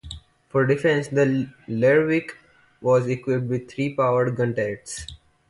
For defence, the Lerwick was equipped with three powered gun turrets.